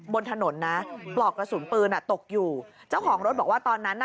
บนถนนนะปลอกกระสุนปืนอ่ะตกอยู่เจ้าของรถบอกว่าตอนนั้นน่ะ